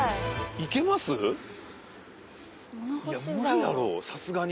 いや無理だろさすがに。